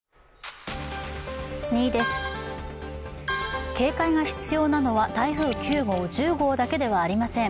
２位です、警戒が必要なのは台風９号１０号だけではありません。